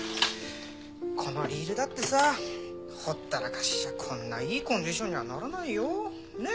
このリールだってさほったらかしじゃこんないいコンディションにはならないよ？ねえ？